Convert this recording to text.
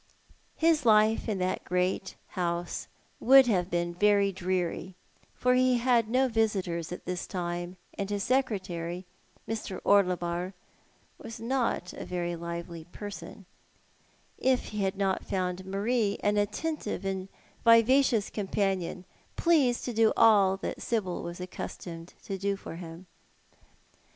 His life in that great house would have been very dreary — for he had no visitors at this time, and his secretary, Mr. Orlebar, was not a lively person — if he had not found Marie au attentive and vivacious companion, pleased to do all that Sibyl was accustomed to do for him.